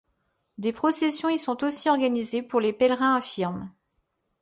Des processions y sont aussi organisées pour les pèlerins infirmes.